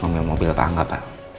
membeli mobil pak angga pak